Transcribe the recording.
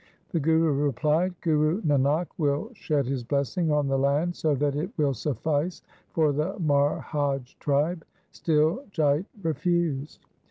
The Guru replied, ' Guru Nanak will shed his blessing on the land, so that it will suffice for the Marhaj tribe.' Still Jait refused.